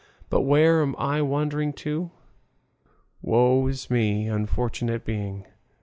But where am I wandering to? Woe is me, unfortunate being!